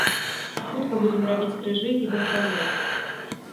Хутка будзем рабіць крыжы і дастаўляць.